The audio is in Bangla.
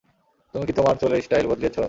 তুমি কি তোমার চুলের স্টাইল বদলিয়েছো?